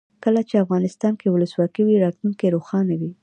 کله چې افغانستان کې ولسواکي وي راتلونکی روښانه وي.